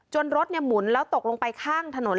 รถหมุนแล้วตกลงไปข้างถนน